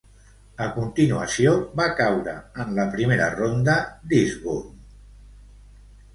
A continuació va caure en la primera ronda d'Eastbourne.